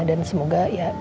dan semoga ya